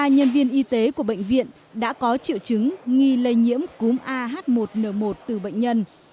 một mươi nhân viên y tế của bệnh viện đã có triệu chứng nghi lây nhiễm cúm ah một n một từ bệnh nhân